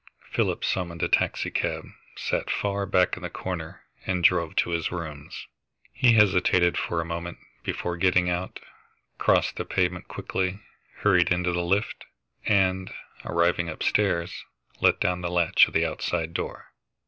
Philip summoned a taxicab, sat far back in the corner, and drove to his rooms. He hesitated for a moment before getting out, crossed the pavement quickly, hurried into the lift, and, arriving up stairs, let down the latch of the outside door.